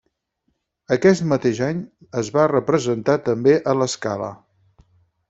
Aquest mateix any es va representar també en La Scala.